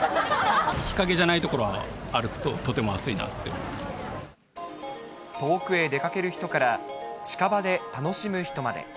日陰じゃない所を歩くと、遠くへ出かける人から、近場で楽しむ人まで。